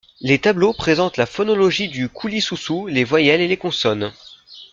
Les tableaux présentent la phonologie du kulisusu, les voyelles et les consonnes.